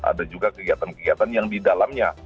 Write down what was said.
ada juga kegiatan kegiatan yang di dalamnya